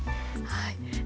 はい。